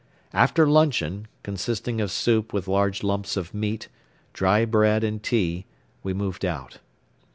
After luncheon, consisting of soup with big lumps of meat, dry bread and tea, we moved out.